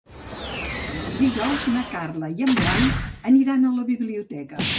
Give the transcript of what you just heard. Dijous na Carla i en Blai aniran a la biblioteca.